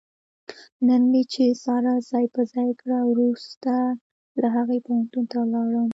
نن مې چې ساره ځای په ځای کړه، ورسته له هغې پوهنتون ته ولاړم.